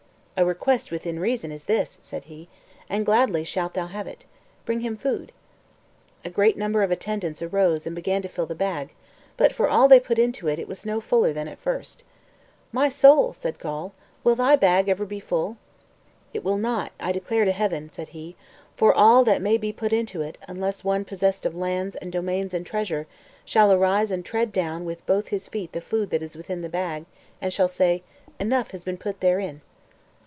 "A request within reason is this," said he, "and gladly shalt thou have it. Bring him food." A great number of attendants arose and began to fill the bag; but for all they put into it, it was no fuller than at first. "My soul," said Gawl, "will thy bag ever be full?" "It will not, I declare to Heaven," said he, "for all that may be put into it, unless one possessed of lands, and domains, and treasure, shall arise and tread down with both his feet the food that is within the bag, and shall say, 'Enough has been put therein.'"